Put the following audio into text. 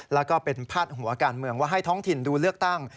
แล้วก็เป็นพาดหัวการเมืองว่าให้ท้องถิ่นดูเลือกตั้ง